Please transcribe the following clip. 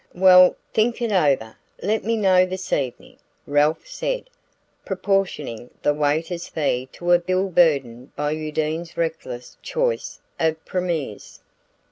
"Well, think it over let me know this evening," Ralph said, proportioning the waiter's fee to a bill burdened by Undine's reckless choice of primeurs.